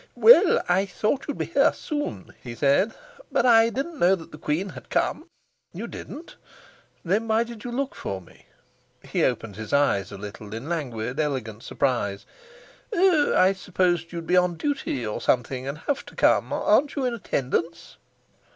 "Well, I thought you'd be here soon," he said, "but I didn't know that the queen had come." "You didn't? Then why did you look for me?" He opened his eyes a little in languid, elegant surprise. "Oh, I supposed you'd be on duty, or something, and have to come. Aren't you in attendance?"